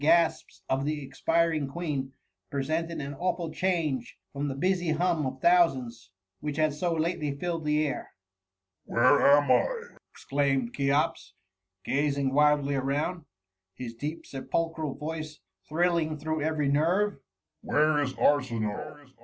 gasps of the expiring Queen, presented an awful change from the busy hum of thousands which had so lately filled the air. *^ Where am I ?^ exclaimed Cheops, gazing wildly around — his deep sepulchral voice thrill ing through every nerve: —Where is ArsiniSe ?